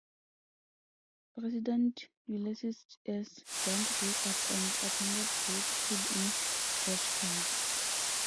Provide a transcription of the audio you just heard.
President Ulysses S. Grant grew up and attended grade school in Georgetown.